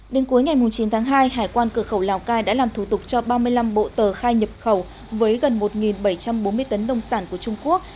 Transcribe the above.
đến cuối ngày chín tháng hai hải quan cửa khẩu lào cai đã làm thủ tục cho ba mươi năm bộ tờ khai nhập khẩu với gần một bảy trăm bốn mươi tấn nông sản của trung quốc